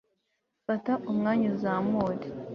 fata umwanya, uzamure